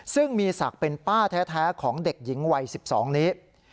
ซึ่งมีศักดิ์เป็นป้าแท้ของเด็กหญิงวัย๑๒นี้